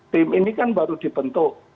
tim ini kan baru dibentuk